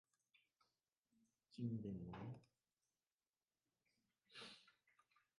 Trinh liền nói